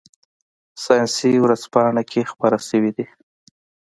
ساینسي ورځپاڼه کې خپاره شوي دي.